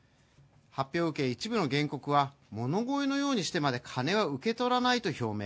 発表を受け、一部の原告は物乞いのように渡す金は受け取らないと表明。